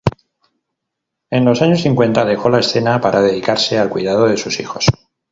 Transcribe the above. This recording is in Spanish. En los años cincuenta, dejó la escena para dedicarse al cuidado de sus hijos.